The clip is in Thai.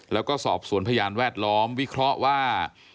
แล้วก็สอบสวนพยานแวดล้อมวิเคราะห์ว่า